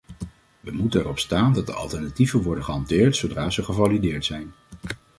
We moeten erop staan dat de alternatieven worden gehanteerd zodra ze gevalideerd zijn.